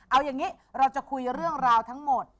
เอาอย่างนี้เราจะคุยเรื่องราวทั้งหมด